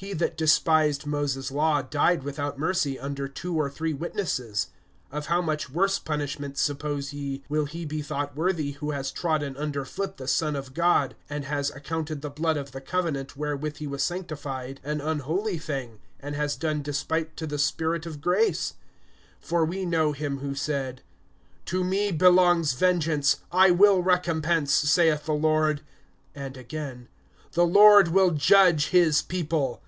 (28)He that despised Moses' law died without mercy, under two or three witnesses. (29)Of how much worse punishment, suppose ye, will he be thought worthy, who has trodden under foot the Son of God, and has accounted the blood of the covenant, wherewith he was sanctified, an unholy thing, and has done despite to the Spirit of grace? (30)For we know him who said: To me belongs vengeance; I will recompense, saith the Lord; and again: The Lord will judge his people.